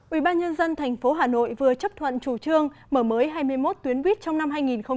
ubnd tp hà nội vừa chấp thuận chủ trương mở mới hai mươi một tuyến buýt trong năm hai nghìn hai mươi